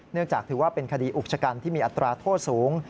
เนื่องจากถือว่าเป็นคดีอุกชกรรมที่มีอัตราโทษสูง